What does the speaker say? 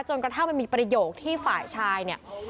กระทั่งมันมีประโยคที่ฝ่ายชายเนี่ย